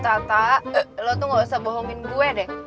tata lo tuh gak usah bohongin gue deh